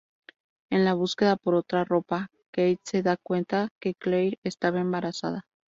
En la búsqueda por otra ropa, Kate se da cuenta que Claire estaba embarazada.